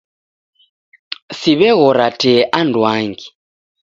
Siw'eghora tee anduangi.